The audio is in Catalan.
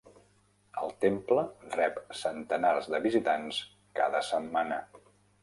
El temple rep centenars de visitants cada setmana.